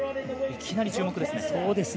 いきなり注目ですね。